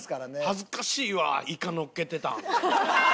恥ずかしいわイカのっけてたん。